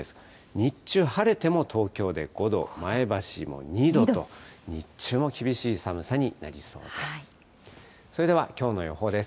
日中、晴れても東京で５度、前橋も２度と、日中も厳しい寒さになりそうです。